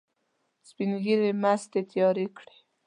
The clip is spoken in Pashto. سپین ږیري مستې تیارې کړې.